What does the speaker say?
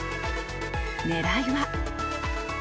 ねらいは。